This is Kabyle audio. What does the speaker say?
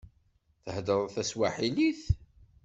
Theddreḍ taswaḥilit?